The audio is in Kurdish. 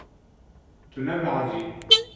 Tu nebehecî.